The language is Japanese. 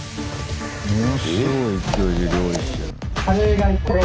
ものすごい勢いで料理してる。